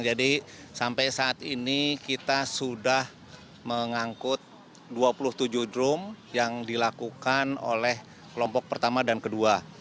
jadi sampai saat ini kita sudah mengangkut dua puluh tujuh drum yang dilakukan oleh kelompok pertama dan kedua